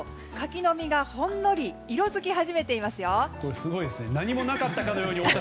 柿の実がほんのり色づき始めてますよ。